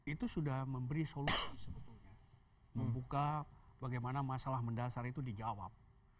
itu sudah memberi solusi sebetulnya membuka bagaimana masalah mendasar itu dijawab